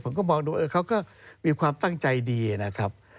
ผมก็มองดูเขาก็มีความตั้งใจดีนะครับ